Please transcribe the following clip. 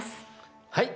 はい。